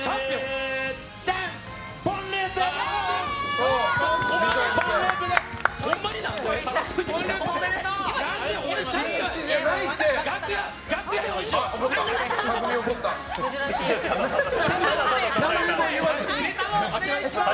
ネタをお願いします。